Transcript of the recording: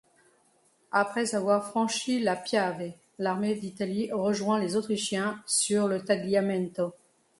Après avoir franchi la Piave, l'armée d'Italie rejoint les Autrichiens sur le Tagliamento.